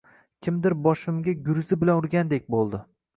Kimdir boshimga gurzi bilan urgandek boʻldi.